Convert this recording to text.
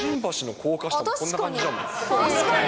確かに。